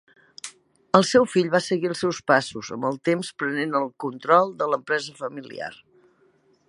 El seu fill va seguir els seus passos, amb el temps prenent el control de l'empresa familiar.